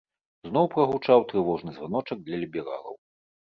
Зноў прагучаў трывожны званочак для лібералаў.